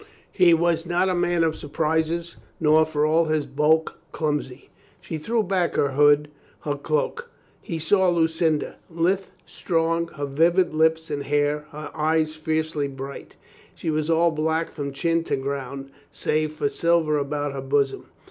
He was not a man of surprises, nor for all his bulk, clumsy. She threw back her hood, her cloak. He saw Lucinda, lithe, strong, her vivid lips and hair, her eyes fiercely bright. She was all black from chin to the ground, save for silver about her bosom.